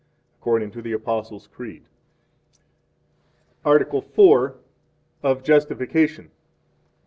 according to the Apostles' Creed. Article IV. Of Justification.